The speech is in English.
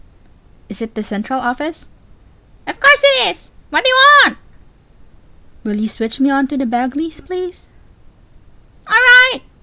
Is it the Central Office? C. O. Of course it is. What do you want? I. Will you switch me on to the Bagleys, please? C. O. All right.